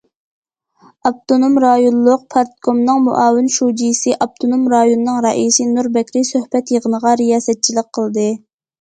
ئاپتونوم رايونلۇق پارتكومنىڭ مۇئاۋىن شۇجىسى، ئاپتونوم رايوننىڭ رەئىسى نۇر بەكرى سۆھبەت يىغىنىغا رىياسەتچىلىك قىلدى.